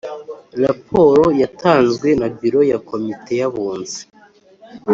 Raporo yatanzwe na biro ya komite y abunzi